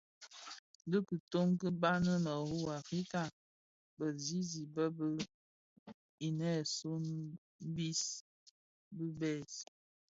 Dhi kitoň ki bhan mu u Africa Bizizig bii dhi binèsun bii bi bès.